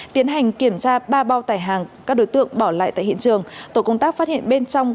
tiến hành kiểm tra ba bao tải hàng các đối tượng bỏ lại tại hiện trường tổ công tác phát hiện bên trong